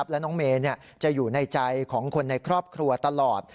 และน้องเมย์จะอยู่ในใจของคนในครอบครัวตลอด